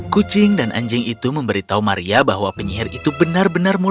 kucing dan anjing itu memberitahu maria bahwa penyihir itu benar benar muda